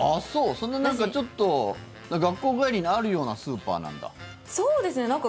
そんな、ちょっと学校帰りにあるようなスーパーなんだ？